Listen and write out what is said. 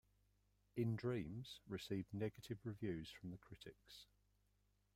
"In Dreams" received negative reviews from critics.